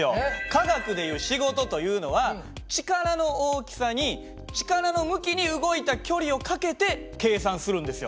科学でいう仕事というのは力の大きさに力の向きに動いた距離を掛けて計算するんですよ。